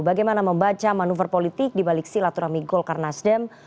bagaimana membaca manuver politik dibalik silaturahmi golkar nasdem